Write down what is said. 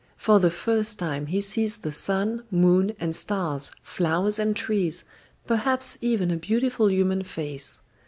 For the first time he sees the sun, moon, and stars, flowers and trees, perhaps even a beautiful human face.